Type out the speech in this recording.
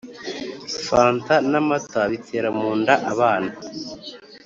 Fanta namata bitera munda abana